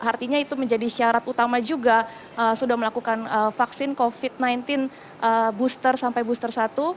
artinya itu menjadi syarat utama juga sudah melakukan vaksin covid sembilan belas booster sampai booster satu